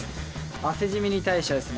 汗じみに対してはですね